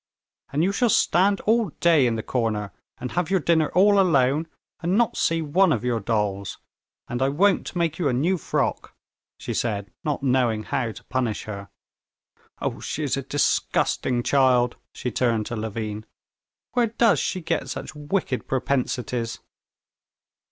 "And you shall stand all day in the corner, and have your dinner all alone, and not see one of your dolls, and I won't make you a new frock," she said, not knowing how to punish her. "Oh, she is a disgusting child!" she turned to Levin. "Where does she get such wicked propensities?"